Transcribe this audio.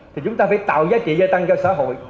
thì chúng ta phải tạo giá trị gia tăng cho xã hội